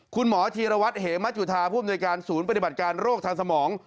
ธีรวัตรเหมจุธาผู้อำนวยการศูนย์ปฏิบัติการโรคทางสมอง